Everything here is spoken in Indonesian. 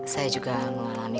saya juga mengalami kesulitan